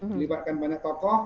dilibatkan banyak tokoh